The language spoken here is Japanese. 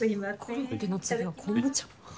コロッケの次は昆布茶か。